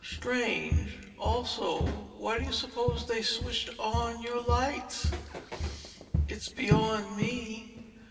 Strange. Also, why do you suppose they switched on your lights?" "It's beyond me.